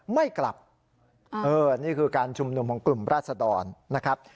ไม่กลับนี่คือการชุมนุมของกลุ่มราศดรนะครับ